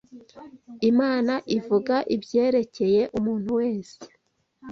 Imana ivuga ibyerekeye umuntu wese